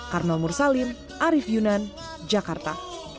karmel mursalim arief yunan jakarta